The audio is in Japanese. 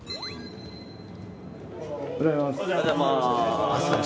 おはようございます。